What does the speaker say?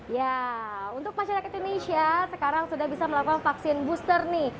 ya untuk masyarakat indonesia sekarang sudah bisa melakukan vaksin booster nih